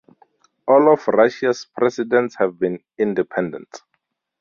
All of Russia's Presidents have been independents.